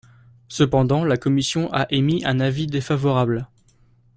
Cependant, la commission a émis un avis défavorable.